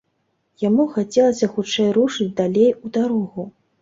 Яму хацелася хутчэй рушыць далей у дарогу.